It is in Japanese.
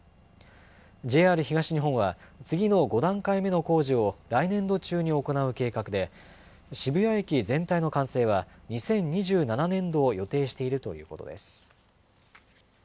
ＪＲ東日本は、次の５段階目の工事を来年度中に行う計画で、渋谷駅全体の完成は２０２７年度を予定しているということです。